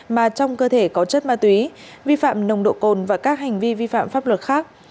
mà trong cơ thể có chất ma túy vi phạm nồng độ cồn và các hành vi vi phạm pháp luật khác